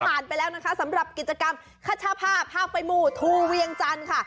ไปแล้วนะคะสำหรับกิจกรรมคชาภาพไปหมู่ทูเวียงจันทร์ค่ะ